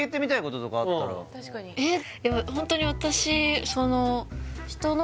えっ